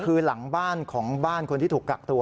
คือหลังบ้านของบ้านคนที่ถูกกักตัว